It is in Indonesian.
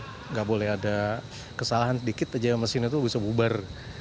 tidak boleh ada kesalahan sedikit aja mesin itu bisa bubar